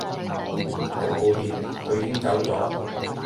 好抱歉佢已經走咗